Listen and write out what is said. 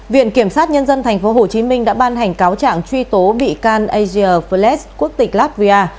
viện kiểm sát nhân dân tp hcm đã ban hành cáo trạng truy tố bị can asia fletch quốc tịch latvia